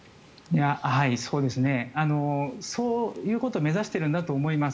そういうことを目指しているんだと思います。